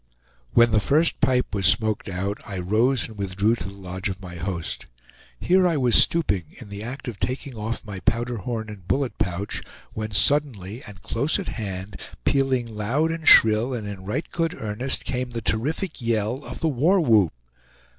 When the first pipe was smoked out, I rose and withdrew to the lodge of my host. Here I was stooping, in the act of taking off my powder horn and bullet pouch, when suddenly, and close at hand, pealing loud and shrill, and in right good earnest, came the terrific yell of the war whoop.